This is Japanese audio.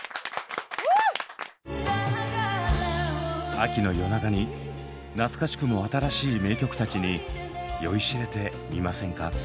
秋の夜長に懐かしくも新しい名曲たちに酔いしれてみませんか？